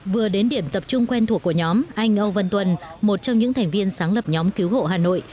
vừa đến điểm tập trung quen thuộc của nhóm anh âu văn tuần một trong những thành viên sáng lập nhóm cứu hộ hà nội